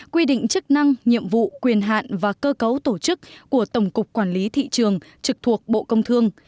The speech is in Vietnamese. quy định chức năng nhiệm vụ quyền hạn và cơ cấu tổ chức của tổng cục quản lý thị trường trực thuộc bộ công thương